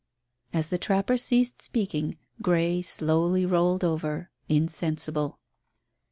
As the trapper ceased speaking Grey slowly rolled over, insensible.